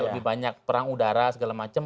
lebih banyak perang udara segala macam